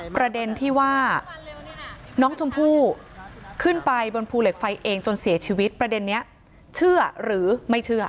ประเด็นที่ว่าน้องชมพู่ขึ้นไปบนภูเหล็กไฟเองจนเสียชีวิตประเด็นนี้เชื่อหรือไม่เชื่อ